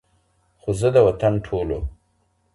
خو زه د وطن ټولو